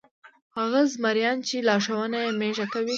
هغه زمریان چې لارښوونه یې مېږه کوي.